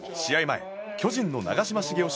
前、巨人の長嶋茂雄